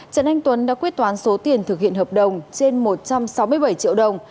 trần anh tuấn đã quyết toán số tiền thực hiện hợp đồng trên một trăm sáu mươi bảy triệu đồng